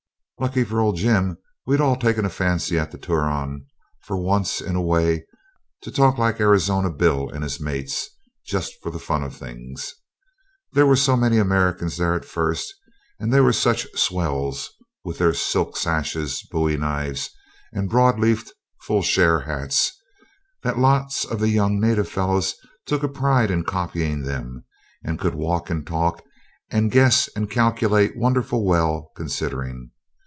Lucky for old Jim we'd all taken a fancy at the Turon, for once in a way, to talk like Arizona Bill and his mates, just for the fun of the thing. There were so many Americans there at first, and they were such swells, with their silk sashes, bowie knives, and broad leafed 'full share' hats, that lots of the young native fellows took a pride in copying them, and could walk and talk and guess and calculate wonderful well considering.